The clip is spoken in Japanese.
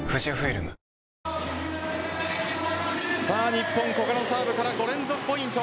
日本、古賀のサーブから５連続ポイント。